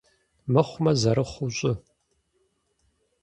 Мыхъумэ зэрыхъуу щӏы.